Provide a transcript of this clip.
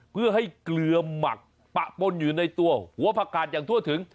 เพื่อให้เกลือหมักปะปนอยู่ในตัวหัวผักกาดอย่างทั่วถึง